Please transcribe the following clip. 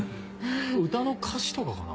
歌の歌詞とかかな？